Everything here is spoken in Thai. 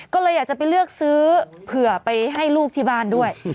ก็เลยอยากจะไปเลือกซื้อเผื่อไปให้ลูกที่บ้านด้วย